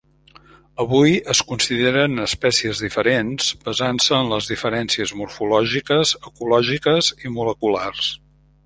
Avui es consideren espècies diferents basant-se en les diferències morfològiques, ecològiques i moleculars.